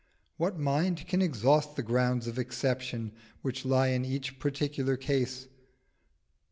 What mind can exhaust the grounds of exception which lie in each particular case?